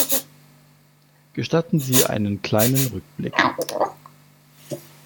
Gestatten Sie einen kleinen Rückblick.